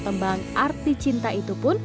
tembang arti cinta itu pun